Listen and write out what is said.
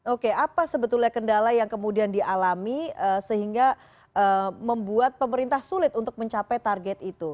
oke apa sebetulnya kendala yang kemudian dialami sehingga membuat pemerintah sulit untuk mencapai target itu